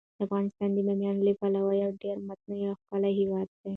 افغانستان د بامیان له پلوه یو ډیر متنوع او ښکلی هیواد دی.